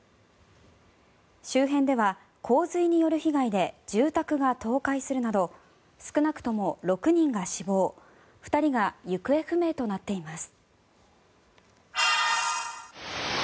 周辺では洪水による被害で住宅が倒壊するなど少なくとも６人が死亡２人が行方不明となっています。